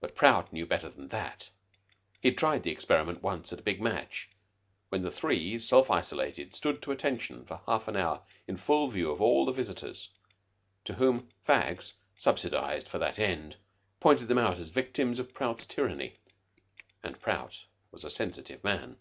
But Prout knew better than that. He had tried the experiment once at a big match, when the three, self isolated, stood to attention for half an hour in full view of all the visitors, to whom fags, subsidized for that end, pointed them out as victims of Prout's tyranny. And Prout was a sensitive man.